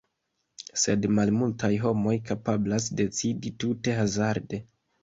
Sed malmultaj homoj kapablas decidi tute hazarde.